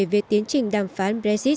về tiến trình đàm phán brexit